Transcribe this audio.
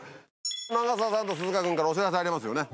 長澤さんと鈴鹿君からお知らせありますよね？